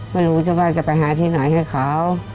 ไม่รู้จะว่าจะไปหาที่ไหนให้เขา